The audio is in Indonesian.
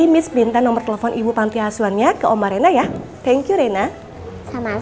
miss minta nomor telepon ibu pantai asuhan ya ke omah rena ya thank you rena sama sama miss